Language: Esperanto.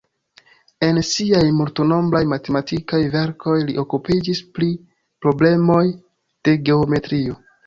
En siaj multnombraj matematikaj verkoj li okupiĝis pri problemoj de geometrio.